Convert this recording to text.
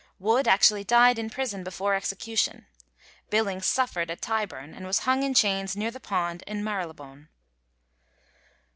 Wood actually died in prison before execution; Billings suffered at Tyburn, and was hung in chains near the pond in Marylebone.